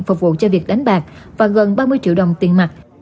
phục vụ cho việc đánh bạc và gần ba mươi triệu đồng tiền mặt